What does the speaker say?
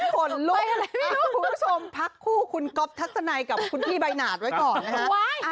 ผู้ชมพักคู่คุณก๊อบทัศนัยกับคุณพี่ใบหนาดไว้ก่อนนะฮะ